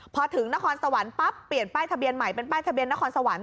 พอถึงนครสวรรค์ปั๊บเปลี่ยนป้ายทะเบียนใหม่เป็นป้ายทะเบียนนครสวรรค